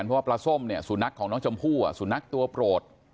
เพราะว่าปลาส้มเนี่ยสุนัขของน้องชมพู่สุนัขตัวโปรด